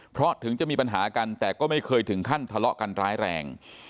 เพราะถึงจะมีปัญหากันแต่ก็ไม่เคยถึงขั้นทะเลาะกันร้ายแรง